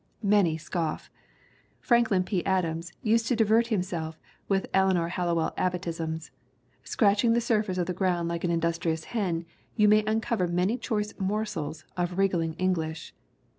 Many scoff; Franklin P. Adams used to divert him self with Eleanor Hallowell Abbottisms; scratching the surface of the ground like an industrious hen you may uncover many choice morsels of wriggling Eng lish.